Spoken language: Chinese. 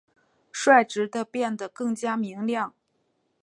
率直地变得更加明亮！